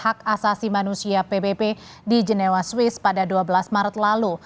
hak asasi manusia pbb di genewa swiss pada dua belas maret lalu